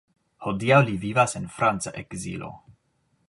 Hodiaŭ li vivas en franca ekzilo.